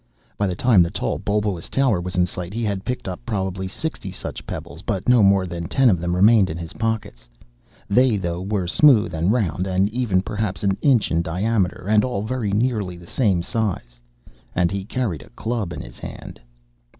By the time the tall, bulbous tower was in sight he had picked up probably sixty such pebbles, but no more than ten of them remained in his pockets. They, though, were smooth and round and even, perhaps an inch in diameter, and all very nearly the same size. And he carried a club in his hand.